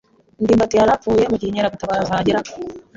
ndimbati yari yarapfuye mugihe inkeragutabara zahageraga.